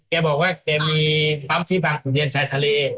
เจ๊บอกว่าเจ๊มีปั๊มฟิบังขุมเยียนชายทะเล